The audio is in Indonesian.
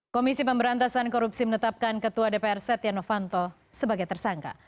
komisi pemberantasan korupsi menetapkan ketua dpr setia novanto sebagai tersangka